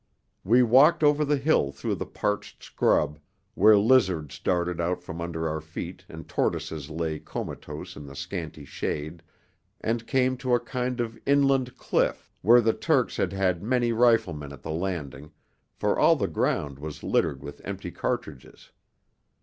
We walked over the hill through the parched scrub, where lizards darted from under our feet and tortoises lay comatose in the scanty shade, and came to a kind of inland cliff, where the Turks had had many riflemen at the landing, for all the ground was littered with empty cartridges.